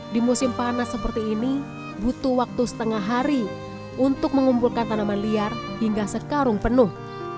di musim panas seperti ini butuh waktu setengah hari untuk mengumpulkan tanaman liar hingga sekarung penuh